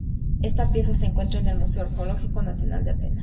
Esta pieza se encuentra en el Museo Arqueológico Nacional de Atenas.